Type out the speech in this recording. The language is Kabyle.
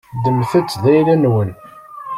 Ddmet-t d ayla-nwen.